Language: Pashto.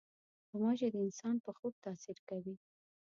غوماشې د انسان پر خوب تاثیر کوي.